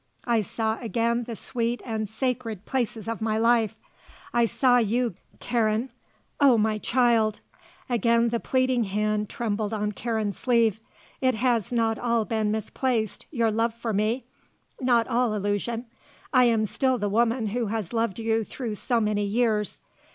I saw again the sweet and sacred places of my life. I saw you, Karen. Oh, my child," again the pleading hand trembled on Karen's sleeve, "it has not all been misplaced, your love for me; not all illusion. I am still the woman who has loved you through so many years.